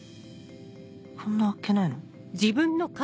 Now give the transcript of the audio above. こんなあっけないの？